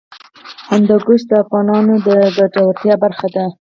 هندوکش د افغانانو د ګټورتیا برخه ده.